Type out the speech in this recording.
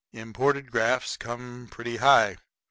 Imported grafts come pretty high.